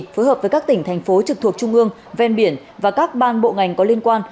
phối hợp với các tỉnh thành phố trực thuộc trung ương ven biển và các ban bộ ngành có liên quan